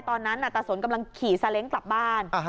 ตอนนั้นน่ะตะสนกำลังขี่เสลงกลับบ้าน